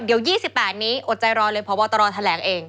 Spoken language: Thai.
เดี๋ยว๒๘นี้อดใจรอเลยพบตรแถลงเอง